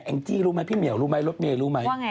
งจี้รู้ไหมพี่เหมียวรู้ไหมรถเมย์รู้ไหม